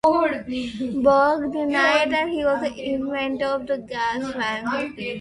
Berg denied that he was the inventor of the gas van.